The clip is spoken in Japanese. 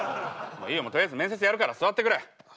もういいよとりあえず面接やるから座ってくれ。